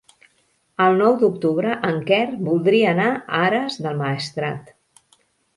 El nou d'octubre en Quer voldria anar a Ares del Maestrat.